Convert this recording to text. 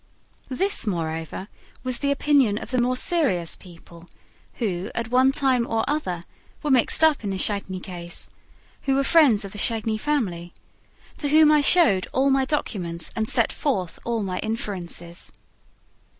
This, moreover, was the opinion of the more serious people who, at one time or other, were mixed up in the Chagny case, who were friends of the Chagny family, to whom I showed all my documents and set forth all my inferences.